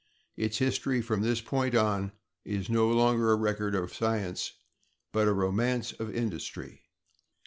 Its history from this point on is no longer a record of science but a romance of industry.